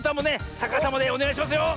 さかさまでおねがいしますよ。